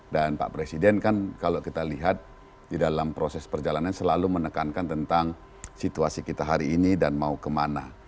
dan pak presiden kan kalau kita lihat di dalam proses perjalanan selalu menekankan tentang situasi kita hari ini dan mau kemana